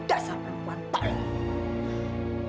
dasar perempuan tolong